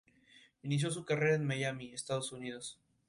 Inició su carrera en Miami, Estados Unidos.